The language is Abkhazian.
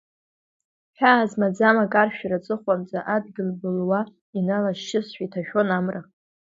Ҳәаа змаӡам акаршәра аҵыхәанӡа адгьыл былуа иналашьшьызшәа иҭашәон амра.